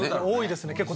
多いですね。